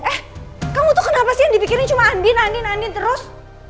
eh kamu tuh kenapa sih yang dipikirin cuma andin andin andin terus